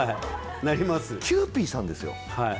キユーピーさんですよ。